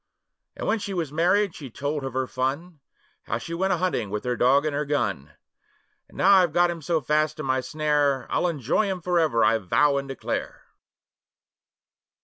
And when she was married she told of her fun, How she went a hunting with her dog and gun: 'And now I've got him so fast in my snare, I'll enjoy him for ever, I vow and declare!